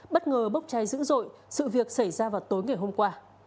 bất ngờ bốc cháy dữ dội sự việc xảy ra vào tối ngày hôm qua